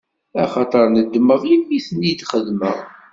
Axaṭer nedmeɣ imi i ten-id-xedmeɣ.